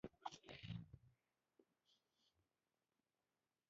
مېلمه ته که یوه دانه شته، پرې شریک شه.